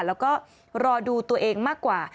แล้วก็รอดูตัวเองมากกว่า